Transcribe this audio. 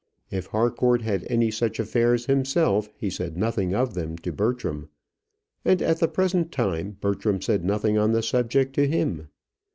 If Harcourt had any such affairs himself, he said nothing of them to Bertram, and at the present time Bertram said nothing on the subject to him.